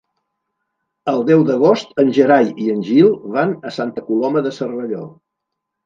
El deu d'agost en Gerai i en Gil van a Santa Coloma de Cervelló.